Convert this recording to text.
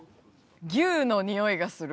牛のにおいがする。